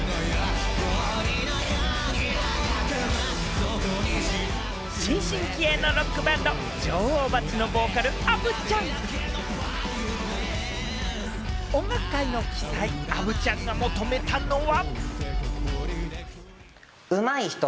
そう、新進気鋭のロックバンド・女王蜂のボーカル・アヴちゃん。音楽界の鬼才・アヴちゃんが求めたのは。